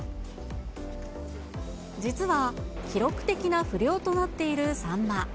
実は記録的な不漁となっているサンマ。